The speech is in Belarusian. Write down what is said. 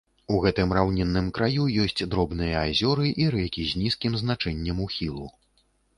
У гэтым раўнінным краю ёсць дробныя азёры і рэкі з нізкім значэннем ухілу.